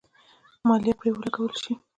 مالیه پرې ولګول شي.